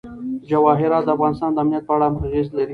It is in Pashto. جواهرات د افغانستان د امنیت په اړه هم اغېز لري.